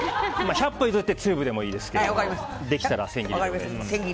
百歩譲ってチューブでもいいですけどできたら千切りでお願いします。